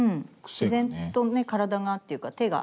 自然とねっ体がっていうか手が。